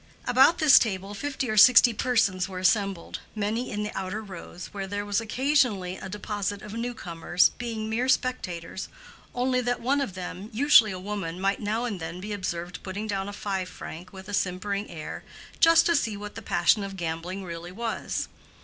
About this table fifty or sixty persons were assembled, many in the outer rows, where there was occasionally a deposit of new comers, being mere spectators, only that one of them, usually a woman, might now and then be observed putting down a five franc with a simpering air, just to see what the passion of gambling really was.